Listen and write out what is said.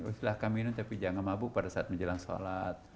oh silahkan minum tapi jangan mabuk pada saat menjelang salat